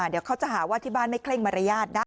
เดี๋ยวเขาจะหาว่าที่บ้านไม่เคร่งมารยาทนะ